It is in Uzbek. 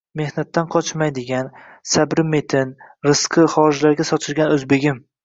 Mehnatdan qochmaydigan, sabri metin, rizqi xorijlarga sochilgan Oʻzbegim...